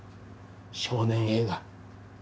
少年Ａが。